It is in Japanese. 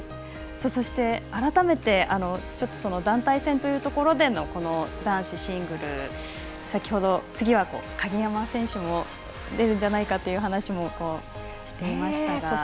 そして、改めて団体戦というところでの男子シングル、先ほど次は鍵山選手も出るんじゃないかという話もしていましたが。